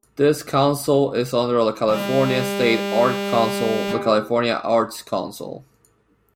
This council is under the California state arts council the California Arts Council.